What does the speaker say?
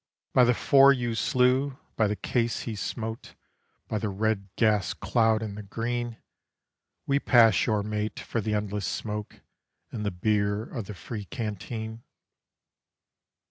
_ By the four you slew, by the case he smote, by the red gas cloud and the green, _We pass your mate for the Endless Smoke and the beer of the free Canteen.